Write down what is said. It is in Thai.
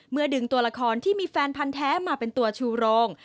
ดึงตัวละครที่มีแฟนพันธ์แท้มาเป็นตัวชูโรง